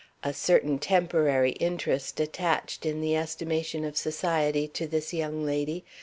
A certain temporary interest attached, in the estimation of society, to this young lady.